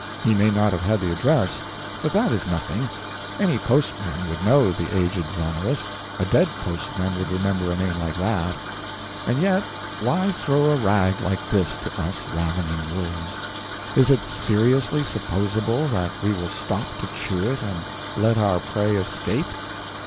He may not have had the address, but that is nothing any postman would know the aged Zonoras; a dead postman would remember a name like that. And yet, why throw a rag like this to us ravening wolves? Is it seriously supposable that we will stop to chew it and let our prey escape?